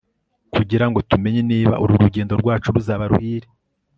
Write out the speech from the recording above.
kugira ngo tumenye niba uru rugendo rwacu ruzaba ruhire